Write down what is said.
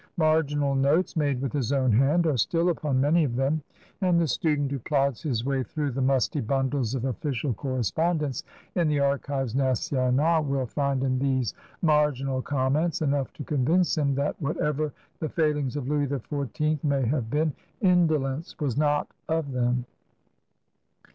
Marginal notes, made with his own hand, are still upon many of them, and the student who plods his way through the musty bundles of official correspond ence in the Archives Nationales will find in these marginal comments enough to convince him that, whatever the failings of Louis XIV may have been, indolence was not of them.